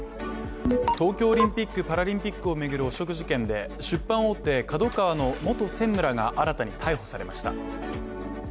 東京オリンピック・パラリンピックを巡る汚職事件で出版大手・ＫＡＤＯＫＡＷＡの元専務らが新たに逮捕されました。